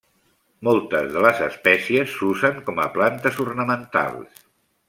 Moltes de les espècies s'usen com a plantes ornamentals.